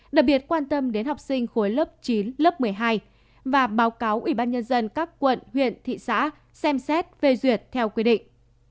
đặc biệt quan tâm đến học sinh khối lớp chín lớp một mươi hai và báo cáo ủy ban nhân dân các quận huyện thị xã xem xét phê duyệt theo quy định